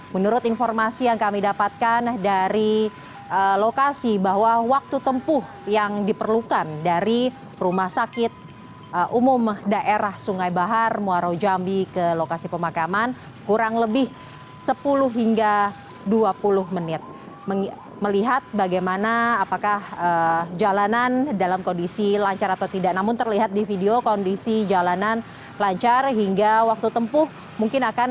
menurut informasi yang kami dapatkan dari lokasi bahwa waktu tempuh yang diperlukan dari rumah sakit umum daerah sungai bahar muarau jambi ke lokasi pemakaman kurang lebih sepuluh hingga dua puluh menit